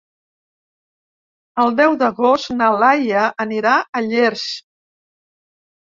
El deu d'agost na Laia anirà a Llers.